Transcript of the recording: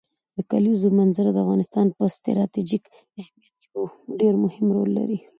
د کلیزو منظره د افغانستان په ستراتیژیک اهمیت کې یو ډېر مهم رول لري.